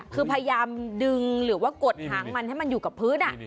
คือพยายามดึงหรือว่ากดหางมันให้มันอยู่กับพื้น